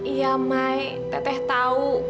iya mai tete tahu